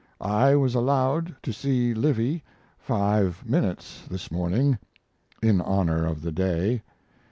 I was allowed to see Livy 5 minutes this morning in honor of the day.